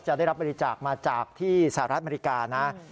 ได้รับบริจาคมาจากที่สหรัฐอเมริกานะ